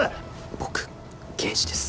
僕刑事です。